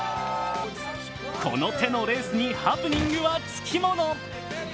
この手のレースにハプニングはつきもの。